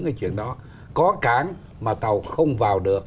cái chuyện đó có cảng mà tàu không vào được